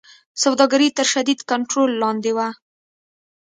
سوداګري تر شدید کنټرول لاندې وه.